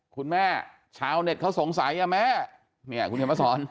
คุณแม่ชาวเน็ตเขาสงสัยอ่ะแม่เนี่ยคุณเห็นมาสอน